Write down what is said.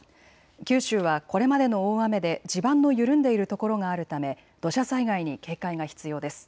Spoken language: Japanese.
九州はこれまでの大雨で地盤の緩んでいるところがあるため土砂災害に警戒が必要です。